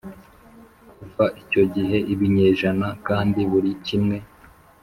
kuva icyo gihe 'ibinyejana, kandi buri kimwe